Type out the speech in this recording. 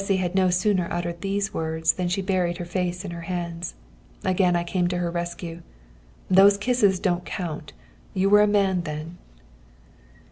] Bessy had no sooner uttered these words than she buried her face in her hands. Again I came to her rescue. "Those kisses don't count; you were a man then."